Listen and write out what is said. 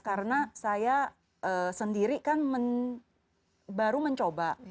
karena saya sendiri kan baru mencoba